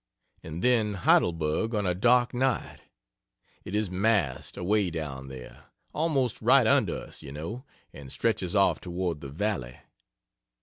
And then Heidelberg on a dark night! It is massed, away down there, almost right under us, you know, and stretches off toward the valley.